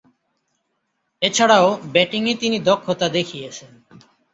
এছাড়াও, ব্যাটিংয়ে তিনি দক্ষতা দেখিয়েছেন।